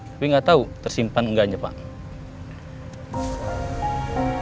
tapi gak tau tersimpen gaknya pak